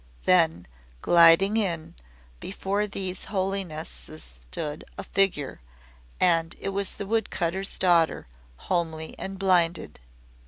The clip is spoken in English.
Then, gliding in, before these Holinesses stood a figure, and it was the wood cutter's daughter homely and blinded.